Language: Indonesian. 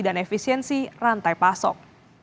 dan efisiensi rantai pasok